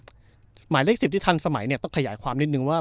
หมายเลข๑๐ที่ทันสมัยเนี่ยต้องขยายความนิดนึงว่า